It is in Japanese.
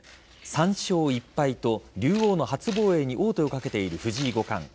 ３勝１敗と竜王の初防衛に王手をかけている藤井五冠。